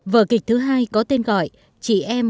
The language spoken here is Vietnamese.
vở kịch thứ hai có tên gọi chị em